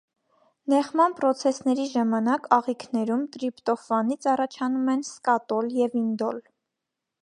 Նեխման պրոցեսների ժամանակ աղիքներում տրիպտոֆանից առաջանում են սկատոլ և ինդոլ։